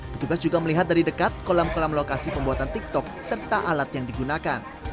petugas juga melihat dari dekat kolam kolam lokasi pembuatan tiktok serta alat yang digunakan